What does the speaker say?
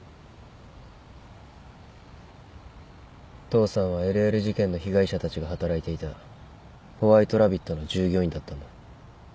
父さんはＬＬ事件の被害者たちが働いていたホワイトラビットの従業員だったんだ。